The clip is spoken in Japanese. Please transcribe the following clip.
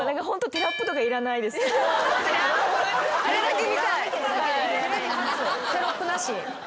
テロップなし？